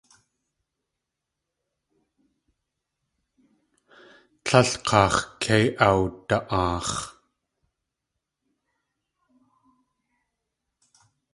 Tlél kaax̲ kei awda.aax̲.